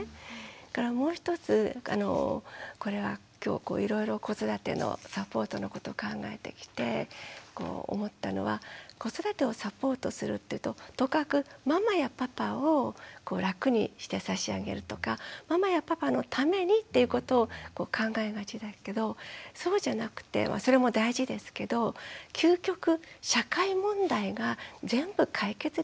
それからもう一つこれは今日いろいろ子育てのサポートのことを考えてきて思ったのは子育てをサポートするっていうととかくママやパパを楽にして差し上げるとかママやパパのためにっていうことを考えがちだけどそうじゃなくてそれも大事ですけど究極社会問題が全部解決できる。